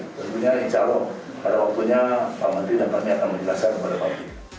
tentunya insya allah pada waktunya pak menteri nanti akan menjelaskan kepada pak menteri